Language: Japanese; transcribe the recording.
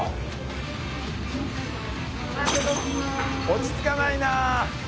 落ち着かないなあ。